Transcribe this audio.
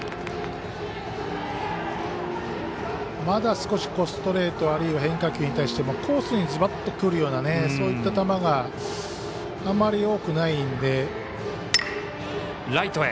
まだ少しストレートあるいは変化球に対してコースにずばっとくるようなそういった球があまり多くないので。